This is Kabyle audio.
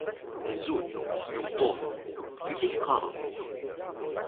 Azul, isem-iw Tom. Amek i ak-qqaṛen?